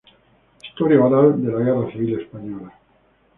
Historia oral de la guerra civil española".